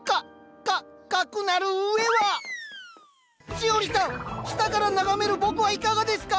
しおりさん下から眺める僕はいかがですか？